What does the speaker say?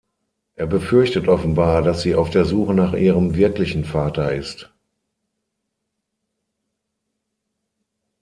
Er befürchtet offenbar, dass sie auf der Suche nach ihrem wirklichen Vater ist.